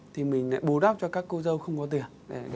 thì mình lại bù đắp cho các cô dâu không có tiền